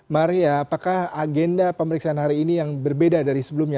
maria apakah agenda pemeriksaan hari ini yang berbeda dari sebelumnya